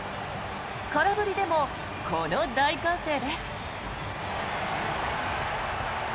空振りでも、この大歓声です。